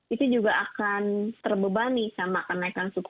itu juga akan terbebani sama kenaikan suku